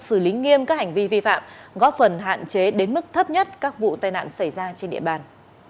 xử lý nghiêm các hành vi vi phạm góp phần hạn chế đến mức thấp nhất các vụ tai nạn xảy ra trên địa bàn